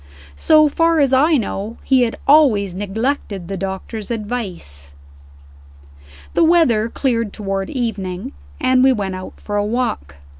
So far as I know, he had always neglected the doctors' advice. The weather cleared toward evening, and we went out for a walk.